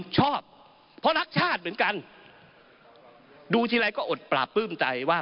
ชอบเพราะรักชาติเหมือนกันดูทีไรก็อดปราบปลื้มใจว่า